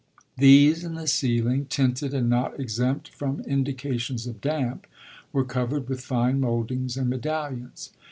These and the ceiling, tinted and not exempt from indications of damp, were covered with fine mouldings and medallions.